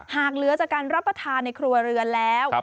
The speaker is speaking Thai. หากเหลือจากการรับประทานในครัวเรือนแล้ว